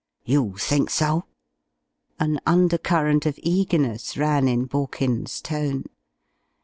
"You think so?" An undercurrent of eagerness ran in Borkins's tone.